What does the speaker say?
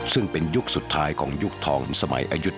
ซึ่งเป็นยุคสุดท้ายของยุคทองสมัยอายุ๗